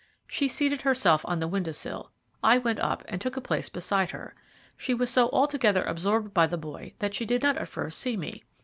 She seated herself on the window sill. I went up and took a place beside her. She was so altogether absorbed by the boy that she did not at first see me.